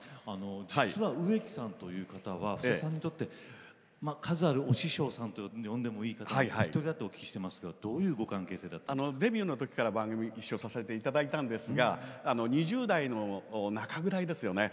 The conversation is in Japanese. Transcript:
実は植木さんという方は布施さんにとって数あるお師匠さんと呼んでもいい方のお一人だとお聞きしてますけどどういうご関係性だったんですか？デビューのときから番組一緒させていただいたんですが２０代の中ぐらいですよね。